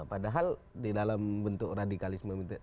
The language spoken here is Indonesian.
padahal di dalam bentuk radikalisme